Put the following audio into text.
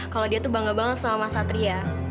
kalau dia tuh bangga banget sama mas satria